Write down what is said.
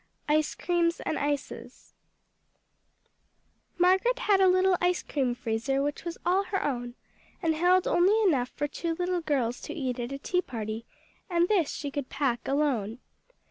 Ice creams and Ices Margaret had a little ice cream freezer which was all her own, and held only enough for two little girls to eat at a tea party, and this she could pack alone.